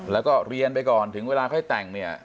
แล้วก็เรียนไปก่อนถึงเวลาเขาให้แต่ง